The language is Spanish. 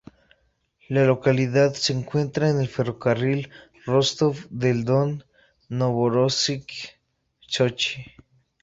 La localidad se encuentra en el ferrocarril Rostov del Don-Novorossisk-Sochi.